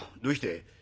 「どうして？」。